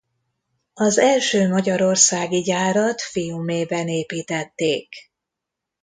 Az első magyarországi gyárat Fiumében építették.